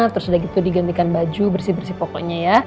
terus udah gitu digantikan baju bersih bersih pokoknya ya